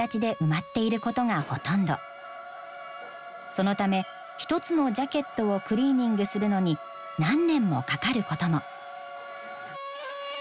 そのため１つのジャケットをクリーニングするのに何年もかかることも。